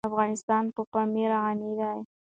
افغانستان په پامیر غني دی.